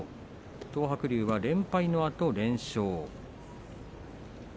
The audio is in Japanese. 東白龍は連敗のあと連勝。